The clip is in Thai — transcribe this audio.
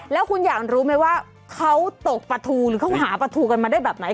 แล้วคุณอยากรู้ไหมว่าเขาตกปลาทูหรือเขาหาปลาทูกันมาได้แบบไหน